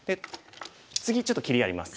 次ちょっと切りあります。